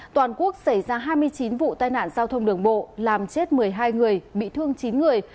toàn quốc xảy ra hai mươi chín vụ tai nạn giao thông đường bộ làm chết một mươi hai người bị thương chín người